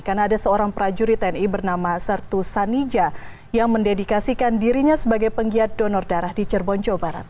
karena ada seorang prajurit tni bernama sertu sanija yang mendedikasikan dirinya sebagai penggiat donor darah di cerbonco barat